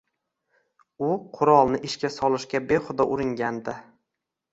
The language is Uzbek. U qurolni ishga solishga behuda uringandi